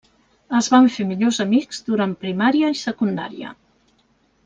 Es van fer millors amics durant primària i secundària.